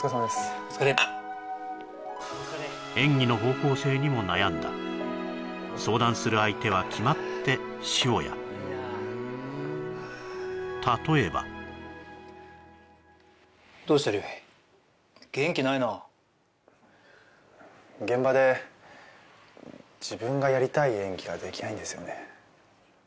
お疲れ演技の方向性にも悩んだ相談する相手は決まって塩屋例えばどうした亮平元気ないな現場で自分がやりたい演技ができないんですよね